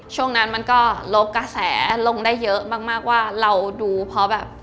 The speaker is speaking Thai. ช่วงนั้นมันก็ลบกระแสลงได้เยอะมากมากว่าเราดูเพราะแบบ